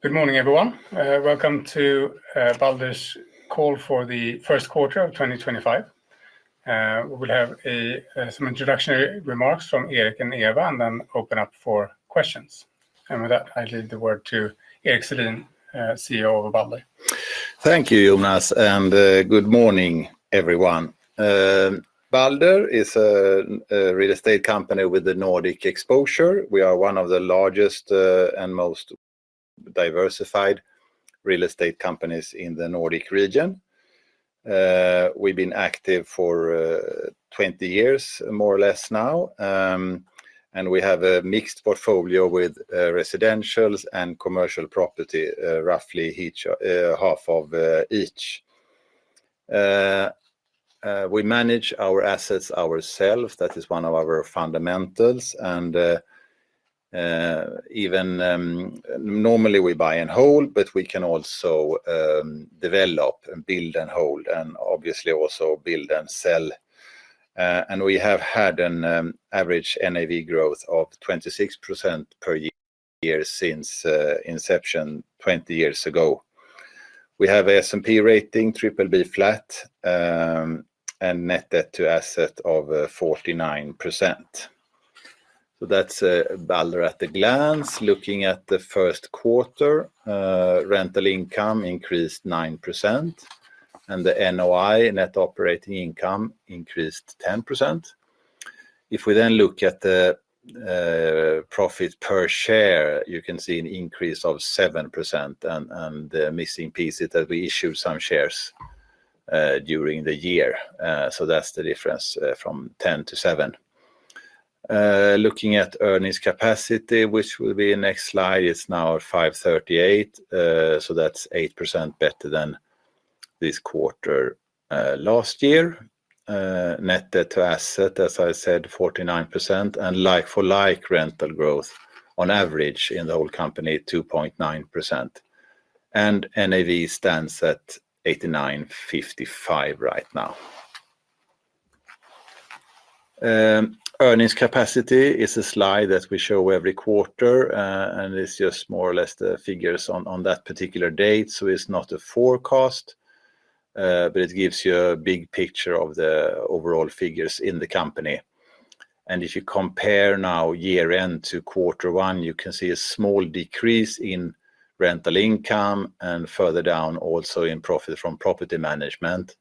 Good morning, everyone. Welcome to Balder's call for the first quarter of 2025. We will have some introductory remarks from Erik and Eva, and then open up for questions. With that, I leave the word to Erik Selin, CEO of Balder. Thank you, Jonas, and good morning, everyone. Balder is a real estate company with a Nordic exposure. We are one of the largest and most diversified real estate companies in the Nordic region. We've been active for 20 years, more or less now, and we have a mixed portfolio with residentials and commercial property, roughly half of each. We manage our assets ourselves. That is one of our fundamentals. Even normally, we buy and hold, but we can also develop and build and hold, and obviously also build and sell. We have had an average NAV growth of 26% per year since inception 20 years ago. We have an S&P rating, triple B flat, and net debt to asset of 49%. That is Balder at a glance. Looking at the first quarter, rental income increased 9%, and the NOI, net operating income, increased 10%. If we then look at the profit per share, you can see an increase of 7%, and the missing piece is that we issued some shares during the year. So that's the difference from 10 to 7. Looking at earnings capacity, which will be in the next slide, it's now at 538. So that's 8% better than this quarter last year. Net debt to asset, as I said, 49%, and like-for-like rental growth on average in the whole company, 2.9%. And NAV stands at 89.55 right now. Earnings capacity is a slide that we show every quarter, and it's just more or less the figures on that particular date. So it's not a forecast, but it gives you a big picture of the overall figures in the company. If you compare now year-end to quarter one, you can see a small decrease in rental income and further down also in profit from property management.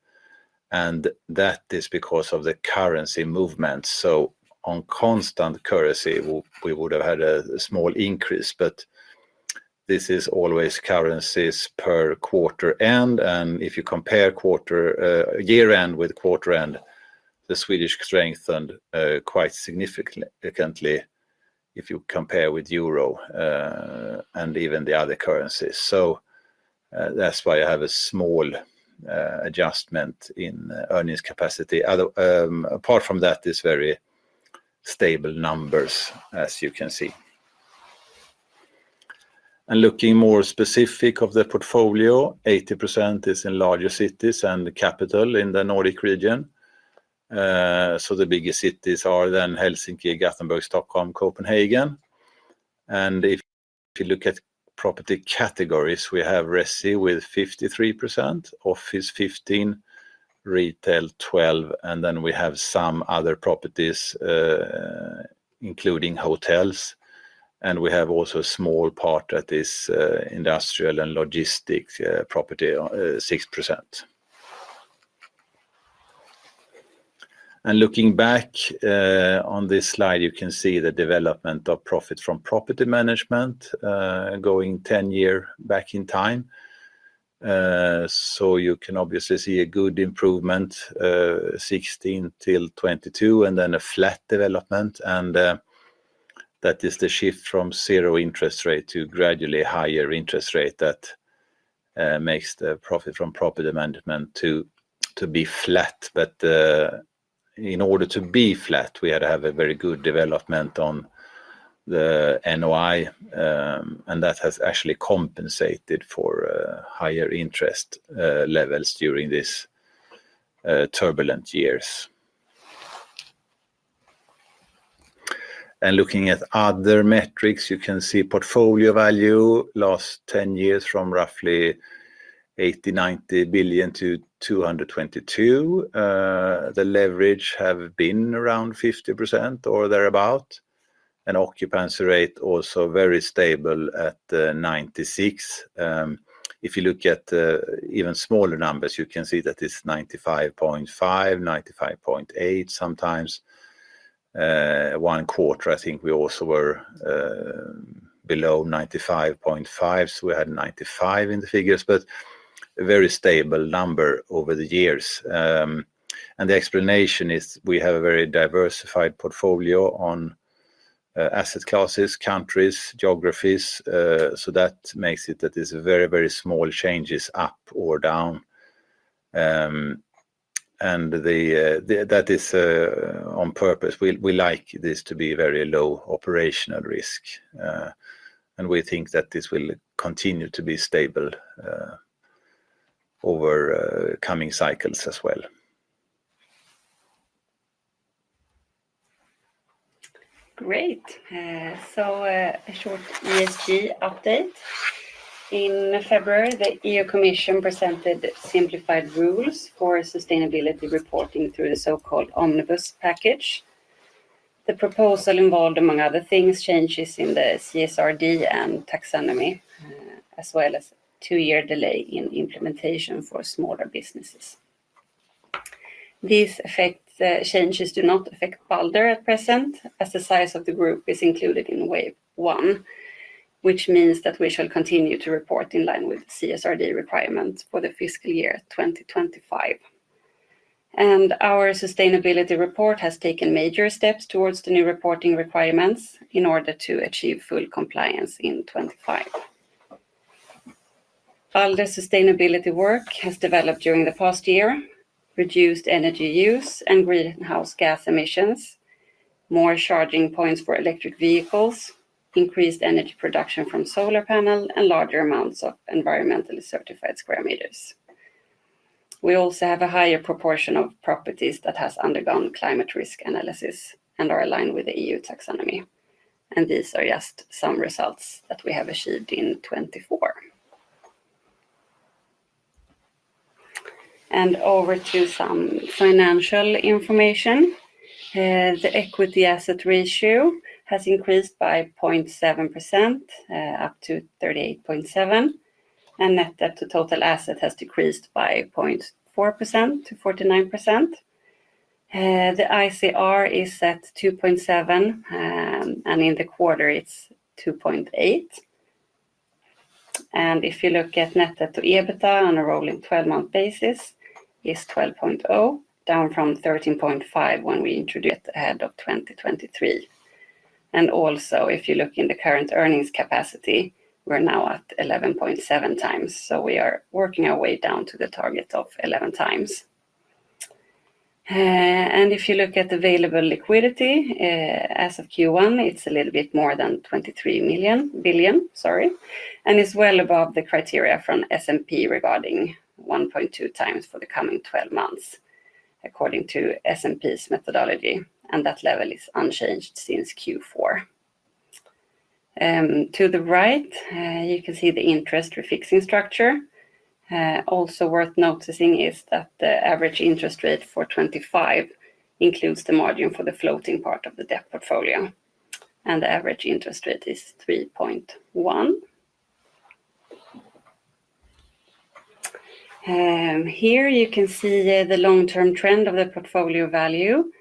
That is because of the currency movement. On constant currency, we would have had a small increase, but this is always currencies per quarter end. If you compare year-end with quarter end, the Swedish strengthened quite significantly if you compare with EUR and even the other currencies. That is why I have a small adjustment in earnings capacity. Apart from that, it is very stable numbers, as you can see. Looking more specific of the portfolio, 80% is in larger cities and capital in the Nordic region. The biggest cities are then Helsinki, Gothenburg, Stockholm, Copenhagen. If you look at property categories, we have resi with 53%, office 15%, retail 12%, and then we have some other properties including hotels. We also have a small part that is industrial and logistics property, 6%. Looking back on this slide, you can see the development of profit from property management going 10 years back in time. You can obviously see a good improvement, 16 to 22, and then a flat development. That is the shift from zero interest rate to gradually higher interest rate that makes the profit from property management be flat. In order to be flat, we had to have a very good development on the NOI, and that has actually compensated for higher interest levels during these turbulent years. Looking at other metrics, you can see portfolio value last 10 years from roughly 80 billion, 90 billion to 222 billion. The leverage has been around 50% or thereabout. Occupancy rate also very stable at 96. If you look at even smaller numbers, you can see that it is 95.5, 95.8 sometimes. One quarter, I think we also were below 95.5. We had 95 in the figures, but a very stable number over the years. The explanation is we have a very diversified portfolio on asset classes, countries, geographies. That makes it so it is very, very small changes up or down. That is on purpose. We like this to be very low operational risk. We think that this will continue to be stable over coming cycles as well. Great. A short ESG update. In February, the EU Commission presented simplified rules for sustainability reporting through the so-called omnibus package. The proposal involved, among other things, changes in the CSRD and taxonomy, as well as a two-year delay in implementation for smaller businesses. These changes do not affect Balder at present, as the size of the group is included in wave one, which means that we shall continue to report in line with CSRD requirements for the fiscal year 2025. Our sustainability report has taken major steps towards the new reporting requirements in order to achieve full compliance in 25. Balder's sustainability work has developed during the past year, reduced energy use and greenhouse gas emissions, more charging points for electric vehicles, increased energy production from solar panels, and larger amounts of environmentally certified square meters. We also have a higher proportion of properties that have undergone climate risk analysis and are aligned with the EU taxonomy. These are just some results that we have achieved in 24. Over to some financial information. The equity asset ratio has increased by 0.7% up to 38.7%, and net debt to total assets has decreased by 0.4% to 49%. The ICR is at 2.7, and in the quarter, it is 2.8. If you look at net debt to EBITDA on a rolling 12-month basis, it is 12.0, down from 13.5 when we introduced it ahead of 2023. Also, if you look in the current earnings capacity, we are now at 11.7 times. We are working our way down to the target of 11 times. If you look at available liquidity, as of Q1, it is a little bit more than 23 billion, and it is well above the criteria from S&P regarding 1.2 times for the coming 12 months, according to S&P's methodology, and that level is unchanged since Q4. To the right, you can see the interest refixing structure. Also worth noticing is that the average interest rate for 25 includes the margin for the floating part of the debt portfolio, and the average interest rate is 3.1. Here you can see the long-term trend of the portfolio value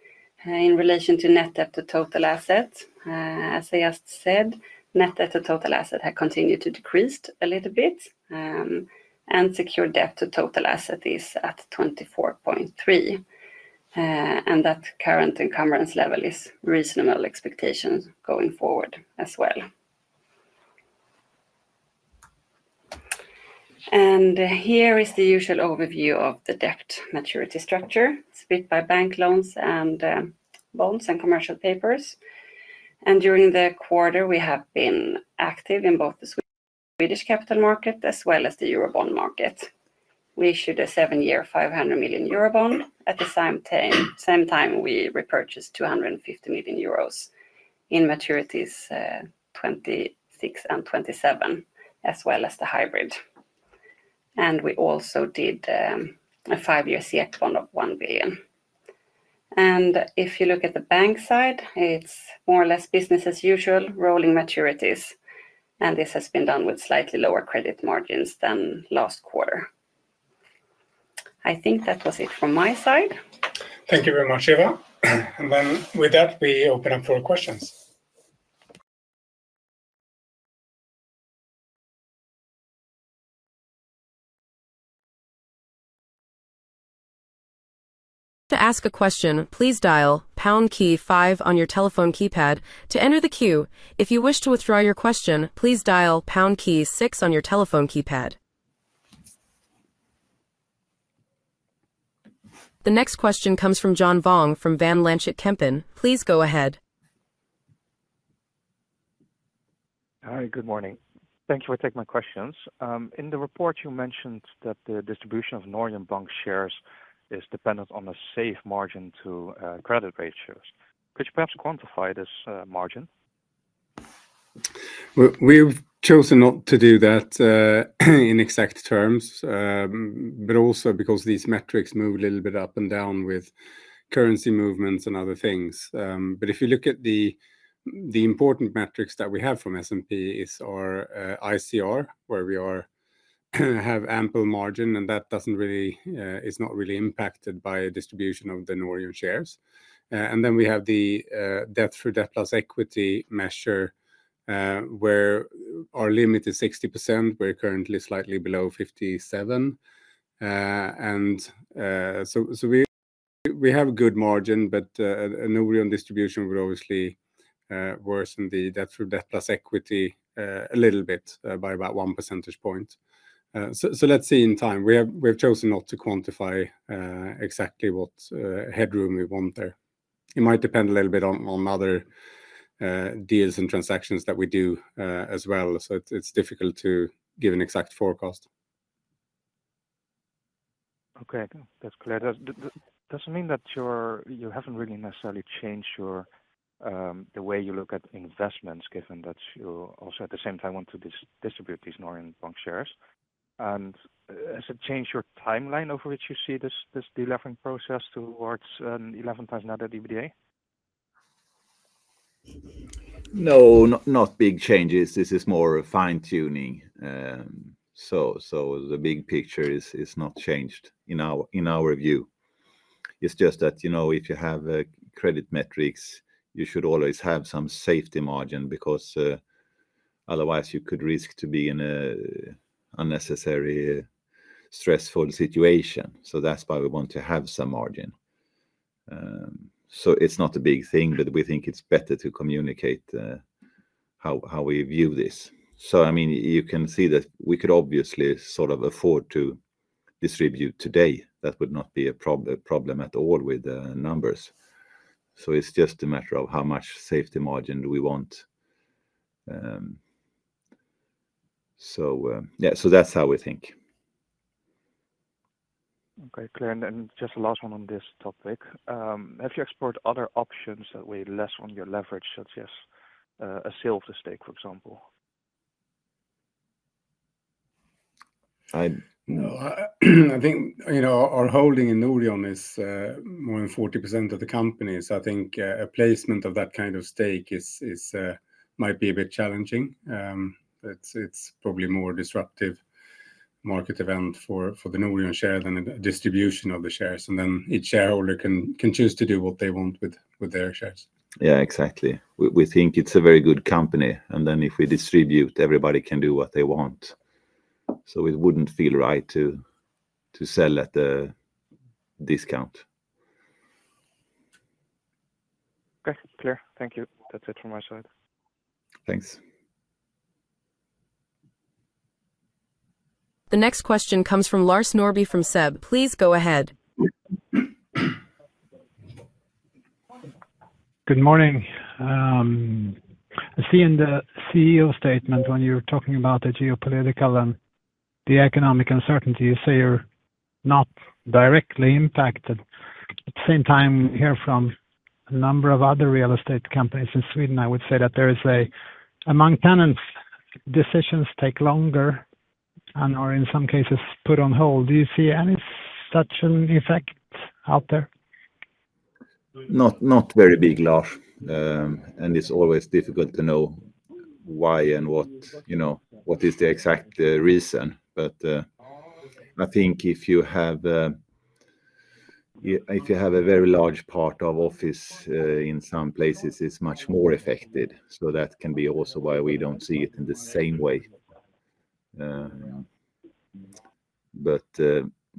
in relation to net debt to total assets. As I just said, net debt to total assets has continued to decrease a little bit, and secured debt to total assets is at 24.3. That current encumbrance level is reasonable expectations going forward as well. Here is the usual overview of the debt maturity structure split by bank loans and bonds and commercial papers. During the quarter, we have been active in both the Swedish capital market as well as the euro bond market. We issued a seven-year 500 million euro bond. At the same time, we repurchased 250 million euros in maturities 26 and 2027, as well as the hybrid. We also did a five-year 1 billion bond. If you look at the bank side, it is more or less business as usual, rolling maturities, and this has been done with slightly lower credit margins than last quarter. I think that was it from my side. Thank you very much, Eva. With that, we open up for questions. To ask a question, please dial pound key five on your telephone keypad to enter the queue. If you wish to withdraw your question, please dial pound key six on your telephone keypad. The next question comes from John Vong from Van Lanschot Kempen. Please go ahead. Hi, good morning. Thank you for taking my questions. In the report, you mentioned that the distribution of Nordnet shares is dependent on a safe margin to credit ratios. Could you perhaps quantify this margin? We've chosen not to do that in exact terms, but also because these metrics move a little bit up and down with currency movements and other things. If you look at the important metrics that we have from S&P, it's our ICR, where we have ample margin, and that is not really impacted by distribution of the Nordnet shares. Then we have the debt through debt plus equity measure, where our limit is 60%. We're currently slightly below 57. We have a good margin, but a Nordnet distribution would obviously worsen the debt through debt plus equity a little bit by about one percentage point. Let's see in time. We have chosen not to quantify exactly what headroom we want there. It might depend a little bit on other deals and transactions that we do as well. It's difficult to give an exact forecast. Okay, that's clear. Does it mean that you haven't really necessarily changed the way you look at investments, given that you also at the same time want to distribute these Nordnet shares? Has it changed your timeline over which you see this delevering process towards an 11 times net EBITDA? No, not big changes. This is more fine-tuning. The big picture is not changed in our view. It's just that if you have credit metrics, you should always have some safety margin because otherwise you could risk to be in an unnecessary stressful situation. That's why we want to have some margin. It's not a big thing, but we think it's better to communicate how we view this. I mean, you can see that we could obviously sort of afford to distribute today. That would not be a problem at all with the numbers. It's just a matter of how much safety margin do we want. Yeah, that's how we think. Okay, clear. Just the last one on this topic. Have you explored other options that would be less on your leverage, such as a sale of the stake, for example? I think our holding in Nordnet is more than 40% of the company. I think a placement of that kind of stake might be a bit challenging. It's probably a more disruptive market event for the Nordnet share than a distribution of the shares. Each shareholder can choose to do what they want with their shares. Yeah, exactly. We think it's a very good company. If we distribute, everybody can do what they want. It wouldn't feel right to sell at a discount. Okay, clear. Thank you. That's it from my side. Thanks. The next question comes from Lars Norby from CBS. Please go ahead. Good morning. I see in the CEO statement when you're talking about the geopolitical and the economic uncertainty, you say you're not directly impacted. At the same time, we hear from a number of other real estate companies in Sweden, I would say that there is a among tenants, decisions take longer and are in some cases put on hold. Do you see any such an effect out there? Not very big, Lars. It is always difficult to know why and what is the exact reason. I think if you have a very large part of office in some places, it is much more affected. That can be also why we do not see it in the same way.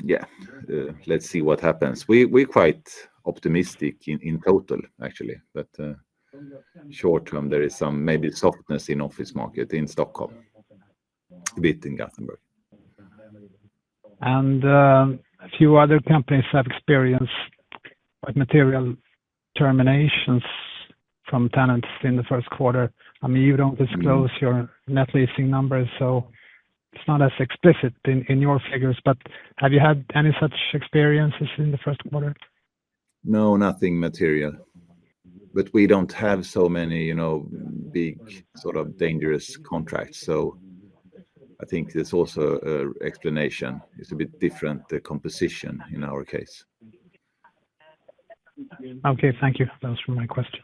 Yeah, let's see what happens. We are quite optimistic in total, actually. Short term, there is some maybe softness in the office market in Stockholm, a bit in Gothenburg. A few other companies have experienced quite material terminations from tenants in the first quarter. I mean, you do not disclose your net leasing numbers, so it is not as explicit in your figures. Have you had any such experiences in the first quarter? No, nothing material. We do not have so many big sort of dangerous contracts. I think it is also an explanation. It is a bit different composition in our case. Okay, thank you. That was for my questions.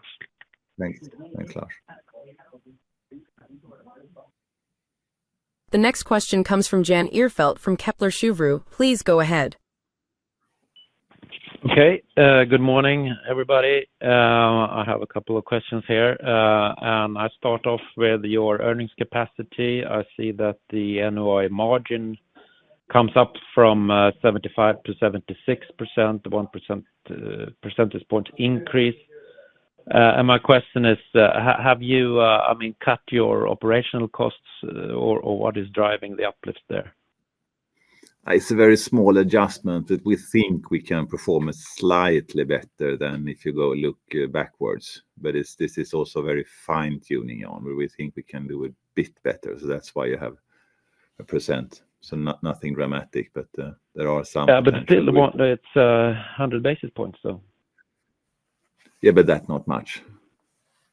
Thanks, Lars. The next question comes from Jan Ehrfeldt from Kepler Cheuvreux. Please go ahead. Okay, good morning, everybody. I have a couple of questions here. I start off with your earnings capacity. I see that the annual margin comes up from 75% to 76%, a 1 percentage point increase. My question is, have you cut your operational costs or what is driving the uplift there? It's a very small adjustment, but we think we can perform slightly better than if you go look backwards. This is also very fine-tuning on where we think we can do a bit better. That's why you have a percent. Nothing dramatic, but there are some. Yeah, but still, it's 100 basis points, so. Yeah, but that's not much.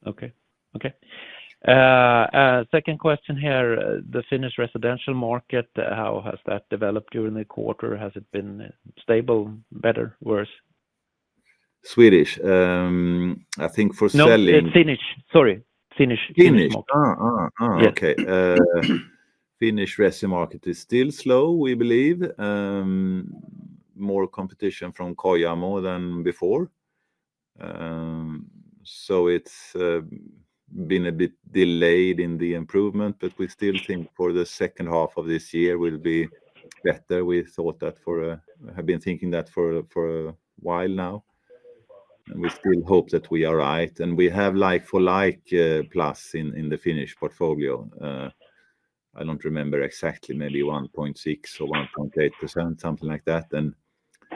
Okay. Okay. Second question here, the Finnish residential market, how has that developed during the quarter? Has it been stable, better, worse? Swedish. I think for selling. No, Finnish. Sorry. Finnish. Finnish. Okay. Finnish res market is still slow, we believe. More competition from Kojamo than before. It has been a bit delayed in the improvement, but we still think the second half of this year will be better. We have been thinking that for a while now. We still hope that we are right. We have like-for-like plus in the Finnish portfolio. I do not remember exactly, maybe 1.6% or 1.8%, something like that.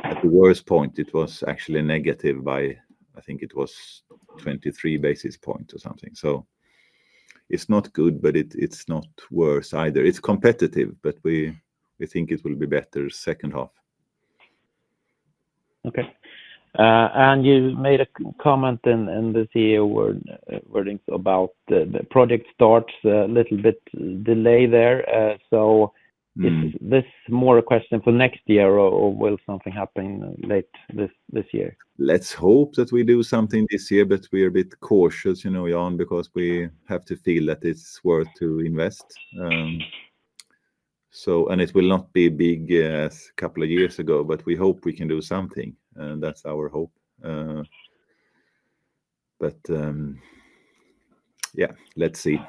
At the worst point, it was actually negative by, I think it was 23 basis points or something. It is not good, but it is not worse either. It is competitive, but we think it will be better second half. Okay. You made a comment in the CEO wordings about the project starts, a little bit delay there. Is this more a question for next year or will something happen late this year? Let's hope that we do something this year, but we are a bit cautious, Jan, because we have to feel that it's worth to invest. It will not be big as a couple of years ago, but we hope we can do something. That's our hope. Yeah, let's see.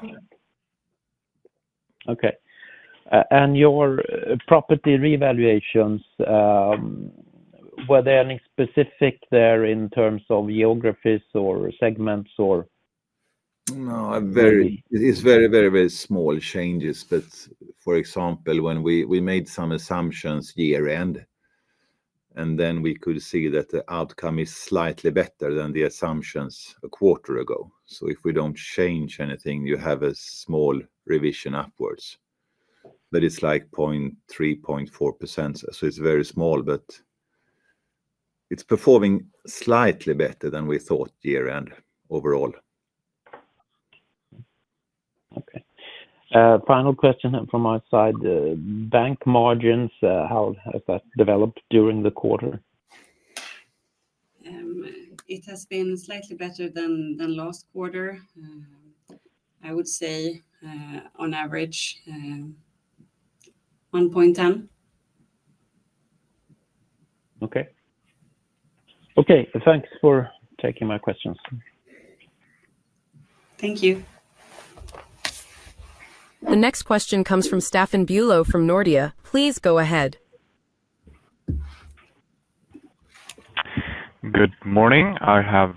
Okay. Your property revaluations, were there any specific there in terms of geographies or segments? No, it's very, very, very small changes. For example, when we made some assumptions year-end, and then we could see that the outcome is slightly better than the assumptions a quarter ago. If we do not change anything, you have a small revision upwards. It is like 0.3%, 0.4%. It is very small, but it is performing slightly better than we thought year-end overall. Okay. Final question from my side. Bank margins, how has that developed during the quarter? It has been slightly better than last quarter, I would say, on average, 1.10. Okay. Okay. Thanks for taking my questions. Thank you. The next question comes from Staffan Bülow from Nordea. Please go ahead. Good morning. I have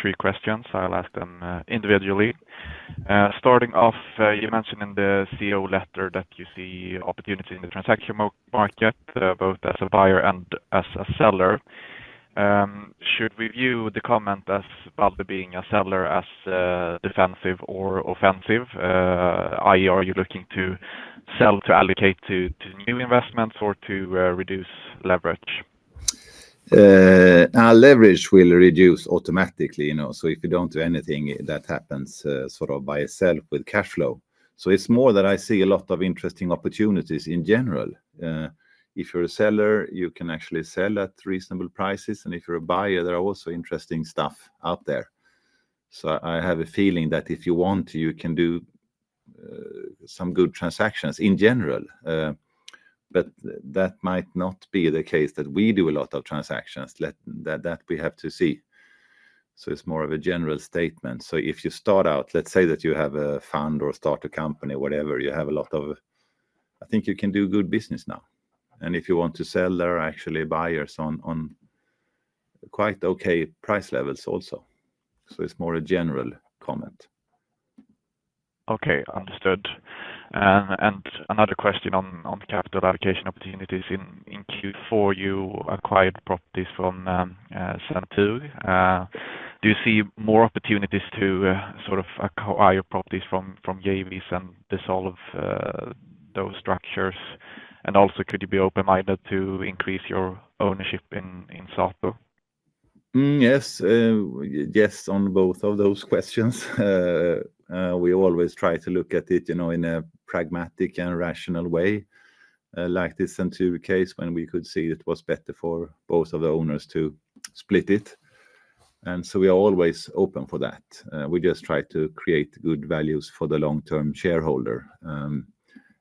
three questions. I'll ask them individually. Starting off, you mentioned in the CEO letter that you see opportunities in the transaction market, both as a buyer and as a seller. Should we view the comment as Balder being a seller as defensive or offensive? I.e., are you looking to sell to allocate to new investments or to reduce leverage? Our leverage will reduce automatically. If you do not do anything, that happens sort of by itself with cash flow. It is more that I see a lot of interesting opportunities in general. If you are a seller, you can actually sell at reasonable prices. If you are a buyer, there are also interesting stuff out there. I have a feeling that if you want to, you can do some good transactions in general. That might not be the case that we do a lot of transactions. We have to see. It is more of a general statement. If you start out, let's say that you have a fund or start a company, whatever, you have a lot of, I think you can do good business now. If you want to sell, there are actually buyers on quite okay price levels also. It's more a general comment. Okay, understood. Another question on capital allocation opportunities. In Q4, you acquired properties from Centur. Do you see more opportunities to sort of acquire properties from JVs and dissolve those structures? Also, could you be open-minded to increase your ownership in Sato? Yes. Yes on both of those questions. We always try to look at it in a pragmatic and rational way, like the Centur case when we could see it was better for both of the owners to split it. We are always open for that. We just try to create good values for the long-term shareholder.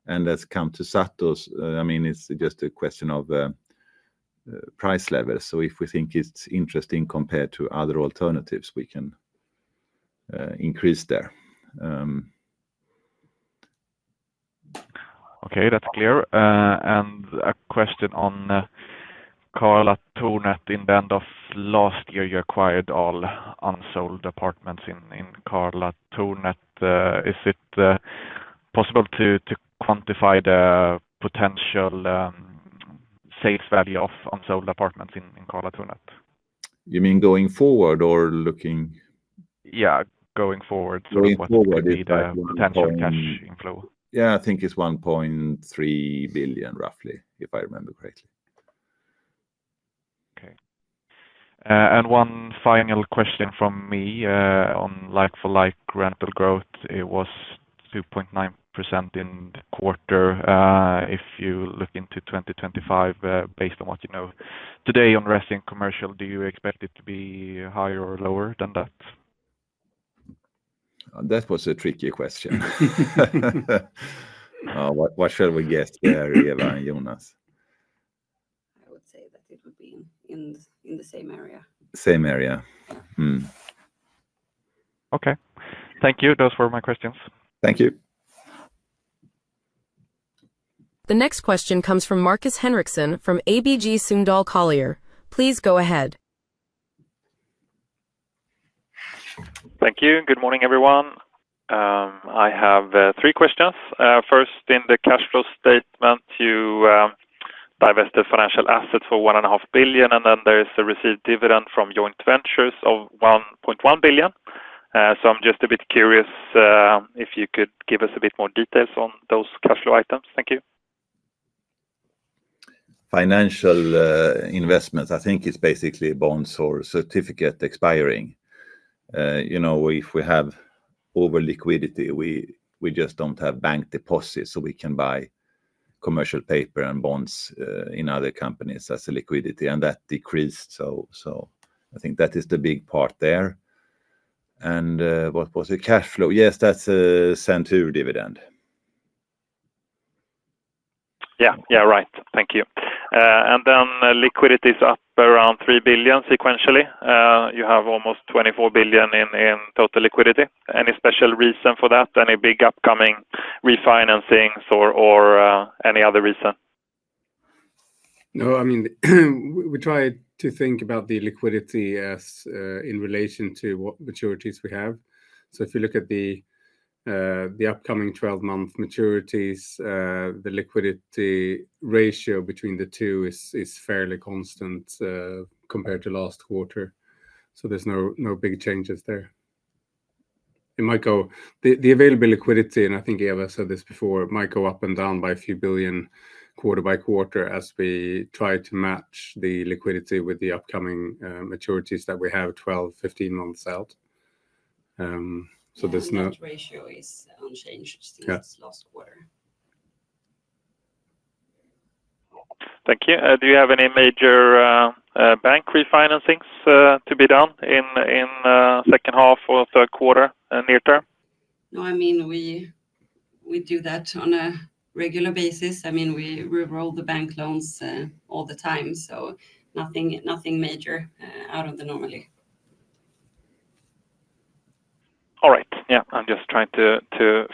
As it comes to Sato, I mean, it is just a question of price levels. If we think it is interesting compared to other alternatives, we can increase there. Okay, that's clear. A question on Carla Tornet. In the end of last year, you acquired all unsold apartments in Carla Tornet. Is it possible to quantify the potential sales value of unsold apartments in Carla Tornet? You mean going forward or looking? Yeah, going forward. Going forward. What would be the potential cash inflow? Yeah, I think it's 1.3 billion, roughly, if I remember correctly. Okay. And one final question from me on like-for-like rental growth. It was 2.9% in the quarter. If you look into 2025, based on what you know today on resident commercial, do you expect it to be higher or lower than that? That was a tricky question. What shall we guess there, Eva and Jonas? I would say that it would be in the same area. Same area. Okay. Thank you. Those were my questions. Thank you. The next question comes from Marcus Henriksen from ABG Sundal Collier. Please go ahead. Thank you. Good morning, everyone. I have three questions. First, in the cash flow statement, you divested financial assets for 1.5 billion, and then there is a received dividend from joint ventures of 1.1 billion. So I'm just a bit curious if you could give us a bit more details on those cash flow items. Thank you. Financial investments, I think it's basically bonds or certificates expiring. If we have over liquidity, we just don't have bank deposits, so we can buy commercial paper and bonds in other companies as liquidity. That decreased. I think that is the big part there. What was the cash flow? Yes, that's a Centur dividend. Yeah. Yeah, right. Thank you. Liquidity is up around 3 billion sequentially. You have almost 24 billion in total liquidity. Any special reason for that? Any big upcoming refinancings or any other reason? No, I mean, we try to think about the liquidity in relation to what maturities we have. If you look at the upcoming 12-month maturities, the liquidity ratio between the two is fairly constant compared to last quarter. There are no big changes there. It might go. The available liquidity, and I think Eva said this before, might go up and down by a few billion quarter by quarter as we try to match the liquidity with the upcoming maturities that we have 12, 15 months out. There is no. The liquidity ratio is unchanged since last quarter. Thank you. Do you have any major bank refinancings to be done in the second half or third quarter near term? No, I mean, we do that on a regular basis. I mean, we roll the bank loans all the time. So nothing major out of the normal. All right. Yeah. I'm just trying to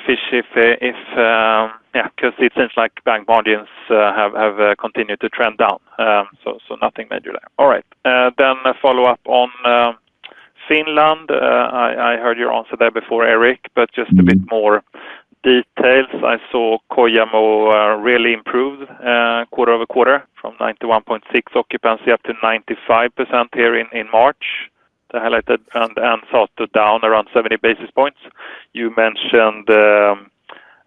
fish if, yeah, because it seems like bank margins have continued to trend down. Nothing major there. All right. Follow up on Finland. I heard your answer there before, Erik, but just a bit more details. I saw Kojamo really improved quarter over quarter from 91.6 occupancy up to 95% here in March. They highlighted and Sato down around 70 basis points. You mentioned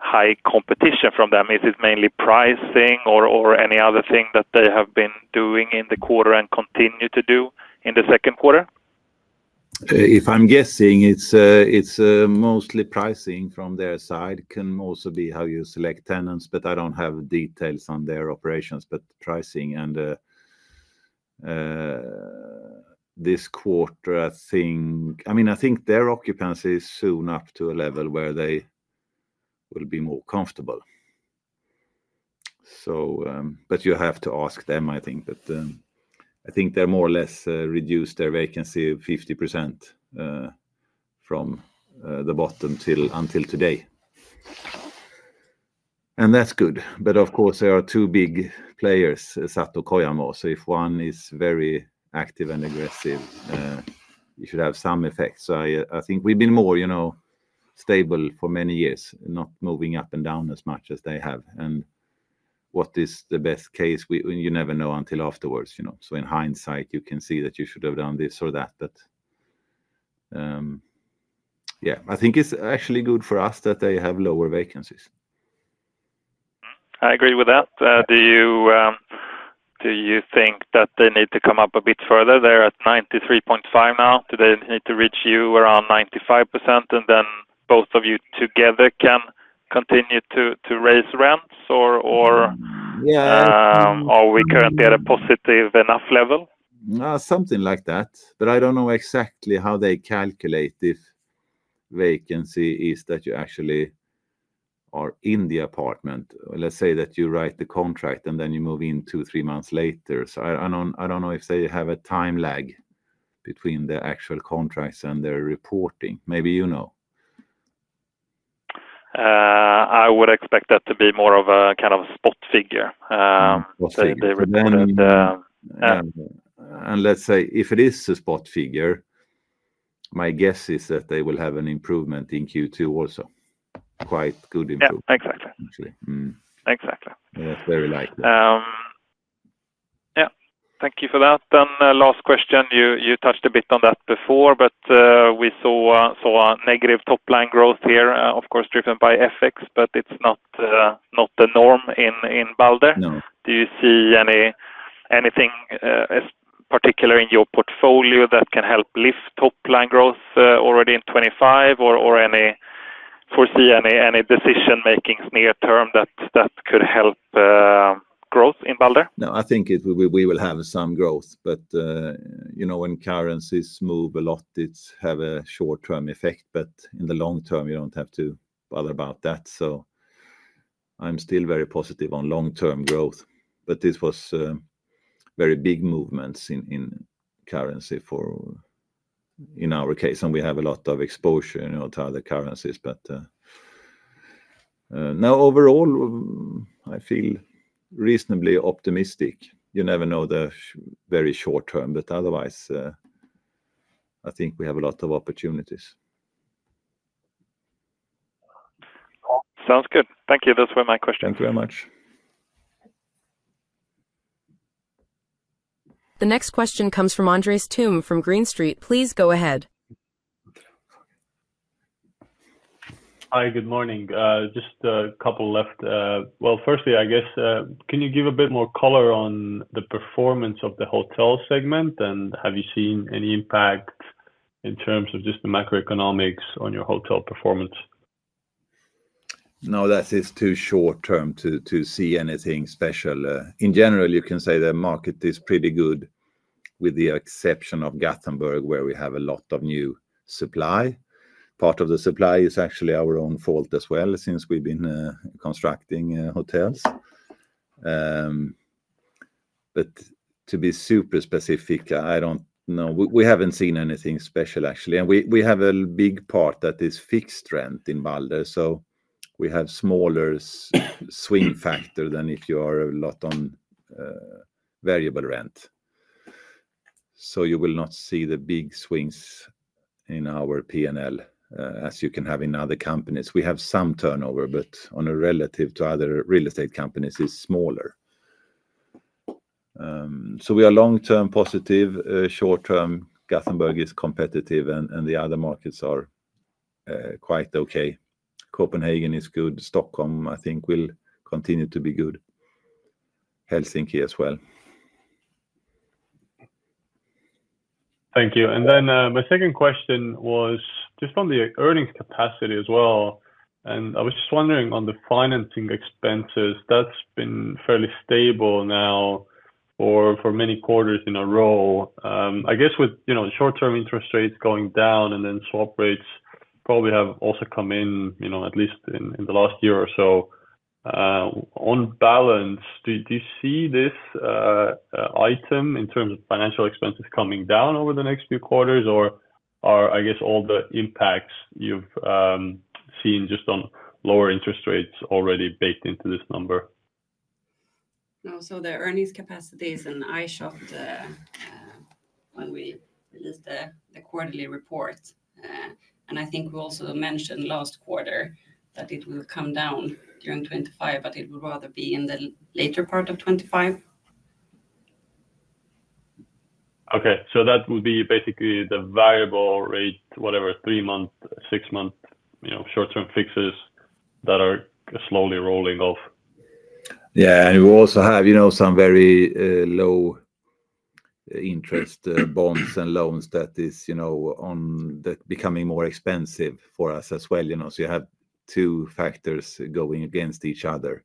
high competition from them. Is it mainly pricing or any other thing that they have been doing in the quarter and continue to do in the second quarter? If I'm guessing, it's mostly pricing from their side. It can also be how you select tenants, but I don't have details on their operations, but pricing. This quarter, I think, I mean, I think their occupancy is soon up to a level where they will be more comfortable. You have to ask them, I think. I think they more or less reduced their vacancy 50% from the bottom until today. That's good. Of course, there are two big players, Sato and Kojamo. If one is very active and aggressive, you should have some effect. I think we've been more stable for many years, not moving up and down as much as they have. What is the best case? You never know until afterwards. In hindsight, you can see that you should have done this or that. Yeah, I think it's actually good for us that they have lower vacancies. I agree with that. Do you think that they need to come up a bit further? They're at 93.5 now. Do they need to reach you around 95% and then both of you together can continue to raise rents or are we currently at a positive enough level? Something like that. I do not know exactly how they calculate if vacancy is that you actually are in the apartment. Let's say that you write the contract and then you move in two, three months later. I do not know if they have a time lag between the actual contracts and their reporting. Maybe you know. I would expect that to be more of a kind of spot figure. If it is a spot figure, my guess is that they will have an improvement in Q2 also. Quite good improvement. Yeah, exactly. Exactly. That's very likely. Yeah. Thank you for that. Last question. You touched a bit on that before, but we saw negative top line growth here, of course, driven by FX, but it is not the norm in Balder. Do you see anything particular in your portfolio that can help lift top line growth already in 25 or foresee any decision-making near term that could help growth in Balder? No, I think we will have some growth. When currencies move a lot, it has a short-term effect. In the long term, you do not have to bother about that. I am still very positive on long-term growth. This was very big movements in currency in our case. We have a lot of exposure to other currencies. Now overall, I feel reasonably optimistic. You never know the very short term. Otherwise, I think we have a lot of opportunities. Sounds good. Thank you. Those were my questions. Thank you very much. The next question comes from Andreas Tum from Green Street. Please go ahead. Hi, good morning. Just a couple left. Firstly, I guess, can you give a bit more color on the performance of the hotel segment? Have you seen any impact in terms of just the macroeconomics on your hotel performance? No, that is too short-term to see anything special. In general, you can say the market is pretty good with the exception of Gothenburg, where we have a lot of new supply. Part of the supply is actually our own fault as well since we have been constructing hotels. To be super specific, I do not know. We have not seen anything special, actually. We have a big part that is fixed rent in Balder. We have a smaller swing factor than if you are a lot on variable rent. You will not see the big swings in our P&L as you can have in other companies. We have some turnover, but relative to other real estate companies, it is smaller. We are long-term positive. Short-term, Gothenburg is competitive, and the other markets are quite okay. Copenhagen is good. Stockholm, I think, will continue to be good. Helsinki as well. Thank you. My second question was just on the earnings capacity as well. I was just wondering on the financing expenses. That has been fairly stable now for many quarters in a row. I guess with short-term interest rates going down and then swap rates probably have also come in, at least in the last year or so. On balance, do you see this item in terms of financial expenses coming down over the next few quarters? Or are, I guess, all the impacts you have seen just on lower interest rates already baked into this number? No, so the earnings capacity is an eye shot when we released the quarterly report. I think we also mentioned last quarter that it will come down during 25, but it would rather be in the later part of 25. Okay. So that would be basically the variable rate, whatever, three-month, six-month short-term fixes that are slowly rolling off. Yeah. We also have some very low-interest bonds and loans that are becoming more expensive for us as well. You have two factors going against each other.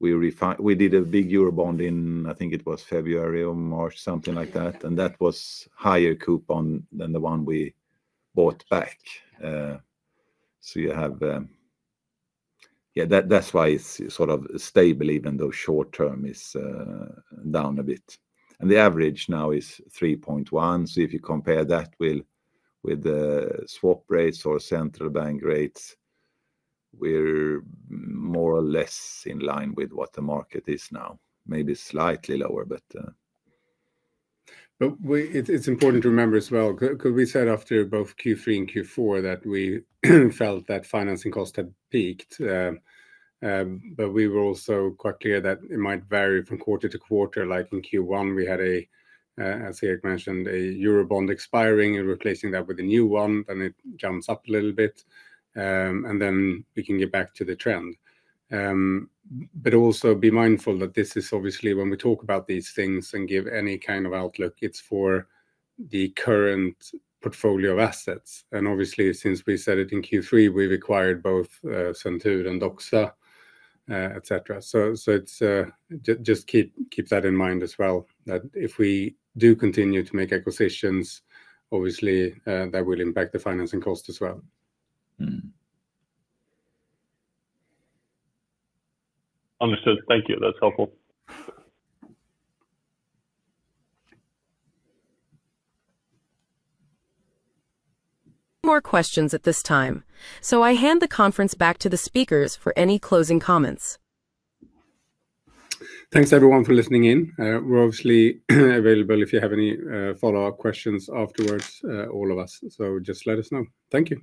We did a big Eurobond in, I think it was February or March, something like that. That was a higher coupon than the one we bought back. That is why it is sort of stable, even though short-term is down a bit. The average now is 3.1. If you compare that with the swap rates or central bank rates, we are more or less in line with what the market is now. Maybe slightly lower, but. It's important to remember as well. Because we said after both Q3 and Q4 that we felt that financing cost had peaked. We were also quite clear that it might vary from quarter to quarter. Like in Q1, we had, as Erik mentioned, a Eurobond expiring. You're replacing that with a new one, then it jumps up a little bit. We can get back to the trend. Also be mindful that this is obviously when we talk about these things and give any kind of outlook, it's for the current portfolio of assets. Obviously, since we said it in Q3, we've acquired both Centur and Doxa, etc. Just keep that in mind as well that if we do continue to make acquisitions, obviously, that will impact the financing cost as well. Understood. Thank you. That's helpful. More questions at this time. I hand the conference back to the speakers for any closing comments. Thanks, everyone, for listening in. We're obviously available if you have any follow-up questions afterwards, all of us. Just let us know. Thank you.